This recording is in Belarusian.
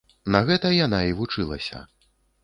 На гэта яна і вучылася.